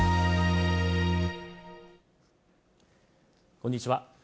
こんにちは。